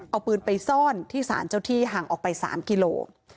เอาปืนไปซ่อนที่สารเจ้าที่ห่างออกไป๓กิโล